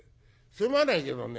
すまないけどね